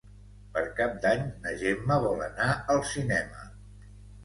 Per Cap d'Any na Gemma vol anar al cinema.